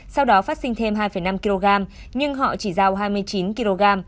sau đó phát sinh thêm hai năm kg nhưng họ chỉ giao hai mươi chín kg